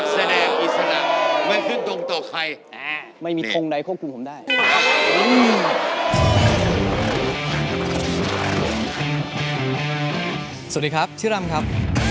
สวัสดีครับชื่อรำครับ